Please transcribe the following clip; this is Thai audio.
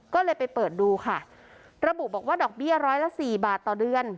ก็เลยไปเปิดดูค่ะระบุบอกว่าดอกเบี้ยร้อยละสี่บาทต่อเดือน